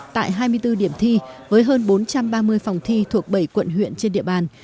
tại hai mươi bốn điểm thi với hơn bốn trăm ba mươi phòng thi thuộc bảy quận huyện trên địa bàn